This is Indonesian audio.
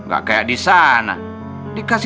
gak kayak di sana